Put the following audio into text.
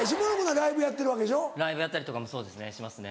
ライブやったりとかもそうですねしますね。